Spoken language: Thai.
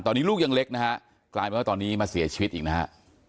ตอนนี้ลูกยังเล็กนะฮะกลายเป็นว่าตอนนี้มาเสียชีวิตอีกนะฮะ